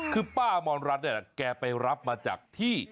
คือป้ามรรัฐเนี่ยแกไปรับมาจากที่